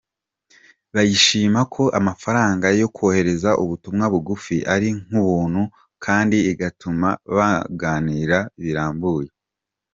Bayishima ko amafaranga yo kohereza ubutumwa bugufi ari nk’ubuntu, kandi igatuma baganira birambuye.